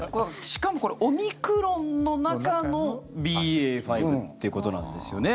しかもこれはオミクロンの中のＢＡ．５ということなんですよね。